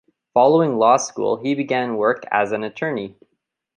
Following law school he began work as an attorney.